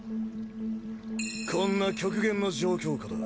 こんな極限の状況下だ。